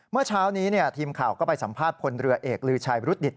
เมื่อเช้านี้ทีมข่าวก็ไปสัมภาษณ์พลเรือเอกลือชัยบรุษดิต